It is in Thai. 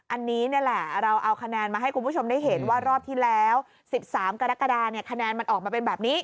อันนี้นี่แหละเราเอาคะแนนมาให้คุณผู้ชมได้เห็นว่ารอบที่แล้ว๑๓กรกฎาเนี่ยคะแนนมันออกมาเป็นแบบนี้